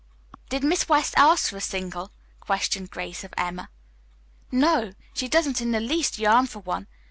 "Did Miss West ask for a single?" questioned Grace of Emma. "No, she doesn't in the least yearn for one.